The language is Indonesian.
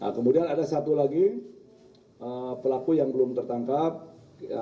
kemudian ada satu lagi pelaku yang belum tertangkap